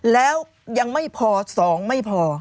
แล้วยังไม่พอ๒ไม่พอ